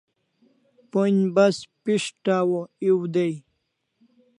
Pon'j bas pishtaw o ew dai